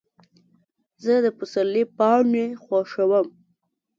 زه د پسرلي پاڼې خوښوم.